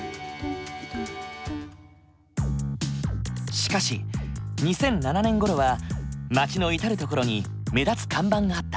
しかし２００７年ごろは街の至る所に目立つ看板があった。